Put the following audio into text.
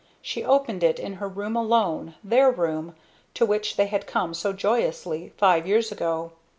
She opened it in her room alone, their room to which they had come so joyously five years ago.